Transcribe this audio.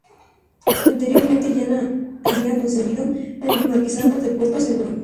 Anteriormente ya le había concedido el Marquesado de Puerto Seguro.